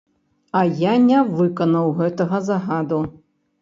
І я не выканаў гэтага загаду.